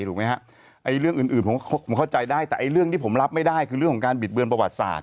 ถูกไหมฮะไอ้เรื่องอื่นผมเข้าใจได้แต่เรื่องที่ผมรับไม่ได้คือเรื่องของการบิดเบือนประวัติศาส